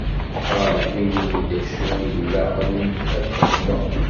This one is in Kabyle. A Rebbi ini-yi-d acu ilaqen ad t-xedmeɣ.